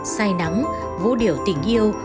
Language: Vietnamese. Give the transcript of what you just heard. say nắng vũ điểu tình yêu